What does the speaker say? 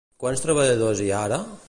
Quants treballadors hi ha ara?